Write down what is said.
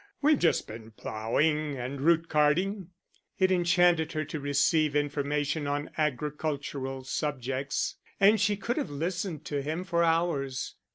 We've just been ploughing and root carting." It enchanted her to receive information on agricultural subjects, and she could have listened to him for hours.